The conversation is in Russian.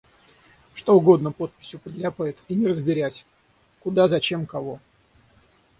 Что угодно подписью подляпает, и не разберясь: куда, зачем, кого?